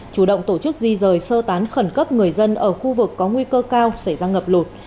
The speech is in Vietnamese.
chủ động tổ chức di rời sơ tán khẩn cấp người dân ở khu vực có nguy cơ cao xảy ra ngập lụt